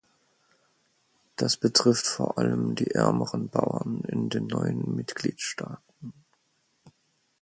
Das betrifft vor allem die ärmeren Bauern in den neuen Mitgliedstaaten.